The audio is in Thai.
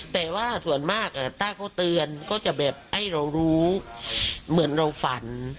แต่ว่าส่วนมากถ้าเขาเตือนก็จะแบบให้เรารู้เหมือนเราฝัน